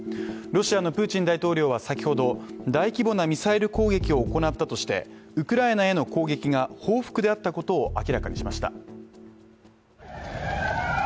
ロシアのプーチン大統領は先ほど大規模なミサイル攻撃を行ったとしてウクライナへの攻撃が報復であったことを明らかにしました。